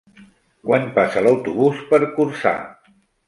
Quan passa l'autobús per Corçà?